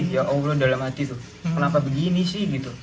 ya allah dalam hati tuh kenapa begini sih gitu